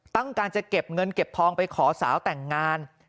ต้องการจะเก็บเงินเก็บทองไปขอสาวแต่งงาน